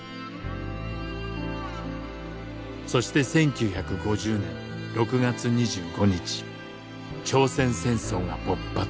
そして１９５０年６月２５日朝鮮戦争が勃発。